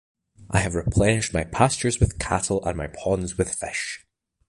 I have replenished my pastures with cattle and my ponds with fish.